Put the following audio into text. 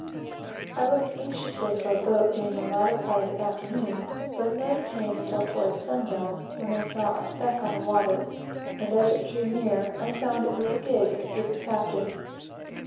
I looked anxiously for a boat, during the latter part of the afternoon, but none came; until toward sundown, when I saw a speck on the water, and as it drew near, I found it was the gig, with the captain.